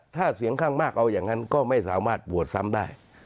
ถ้าเสียงข้างมากเอาอย่างนั้นก็ไม่สามารถโหวตซ้ำได้